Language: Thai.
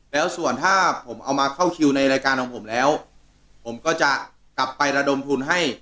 แล้วส่วนถ้าผมเอามาเข้าคิวในรายการของผมแล้วผมก็จะกลับไประดมทุนให้